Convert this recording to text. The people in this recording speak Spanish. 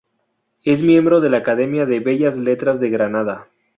Es miembro de la Academia de Bellas Letras de Granada.